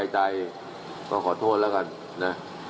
โดน